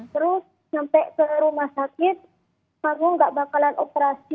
terus sampai ke rumah sakit aku nggak bakalan operasi